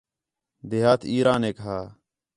دیہات اہرا نیک ہا